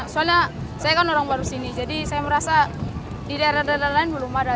soalnya saya kan orang baru sini jadi saya merasa di daerah daerah lain belum ada